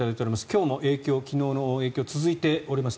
今日も昨日の影響が続いております。